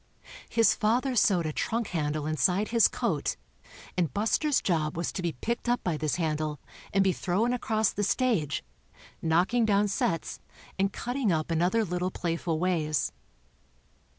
His father sewed a trunk handle inside his coat and Buster's job was to be picked up by this handle and be thrown across the stage, knocking down sets and cutting up in other little playful ways.